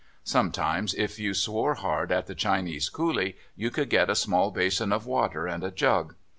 Sometimes, if you swore hard at the Chinese coolie, you could get a small basin of water and a jug.